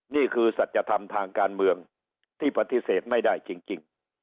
นี่คือสัจธรรมทางการเมืองที่ปฏิเสธไม่ได้จริง